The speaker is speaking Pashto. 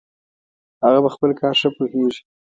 هغه په خپل کار ښه پوهیږي